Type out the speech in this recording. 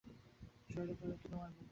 শৈল কহিল, কী তোমার বুদ্ধি!